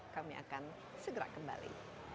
kami akan segera kembali